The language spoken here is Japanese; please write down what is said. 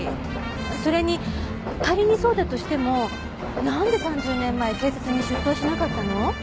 それに仮にそうだとしてもなんで３０年前警察に出頭しなかったの？